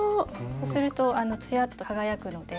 そうするとつやっと輝くので。